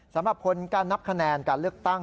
สำหรับผลการนับคะแนนการเลือกตั้ง